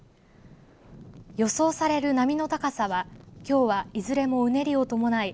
予想される波の高さはきょうは、いずれもうねりを伴い